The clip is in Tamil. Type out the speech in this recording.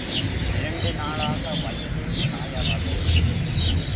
இரண்டு நாளாக வயிறு காயறது.